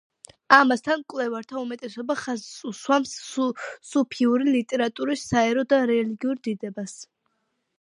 ამასთან, მკვლევართა უმეტესობა ხაზს უსვამს სუფიური ლიტერატურის საერო და რელიგიურ დიდებას.